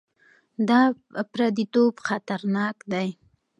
دا پرديتوب خطرناک دی.